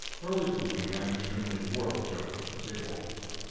[Early blooming and extremely dwarf joke for the table.